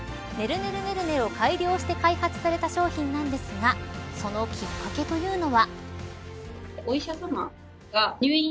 ねるねるねを改良して開発された商品なんですがそのきっかけというのは。